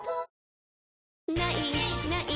「ない！ない！